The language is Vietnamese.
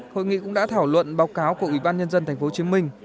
hội nghị cũng đã thảo luận báo cáo của ủy ban nhân dân tp hcm